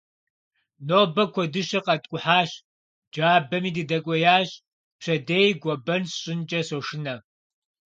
Нобэ куэдыщэ къэткӏухьащ, джабэми дыдэкӏуеящ, пщэдей гуэбэн сщӏынкӏэ сошынэ.